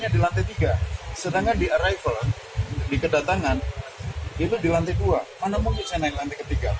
di lantai tiga sedangkan di arrival di kedatangan itu di lantai dua mana mungkin saya naik lantai ketiga